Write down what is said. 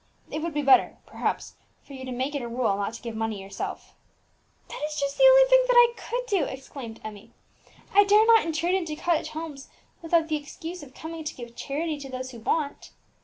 It would be better, perhaps, for you to make it a rule not to give money yourself." "That is just the only thing that I could do!" exclaimed Emmie; "I dare not intrude into cottage homes without the excuse of coming to give charity to those who want."